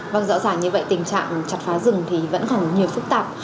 vâng rõ ràng như vậy tình trạng chặt phá rừng thì vẫn còn nhiều phức tạp